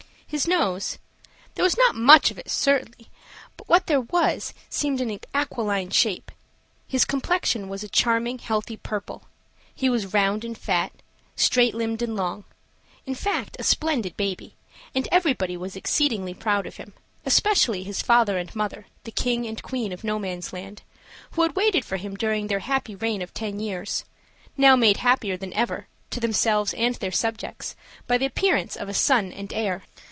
His nose there was not much of it certainly, but what there was seemed an aquiline shape; his complexion was a charming, healthy purple; he was round and fat, straight limbed and long in fact, a splendid baby, and everybody was exceedingly proud of him, especially his father and mother, the King and Queen of Nomansland, who had waited for him during their happy reign of ten years now made happier than ever, to themselves and their subjects, by the appearance of a son and heir.